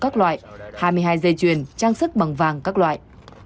các loại hai mươi hai dây chuyền trang sức bằng vàng các loại